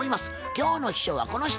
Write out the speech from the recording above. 今日の秘書はこの人。